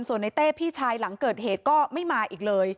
ส่วนในเต้พี่ชายหลังเกิดเหตุก็ไม่มาอีกเลย